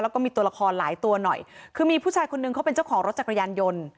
แล้วก็มีตัวละครหลายตัวหน่อยคือมีผู้ชายคนนึงเขาเป็นเจ้าของรถจักรยานยนต์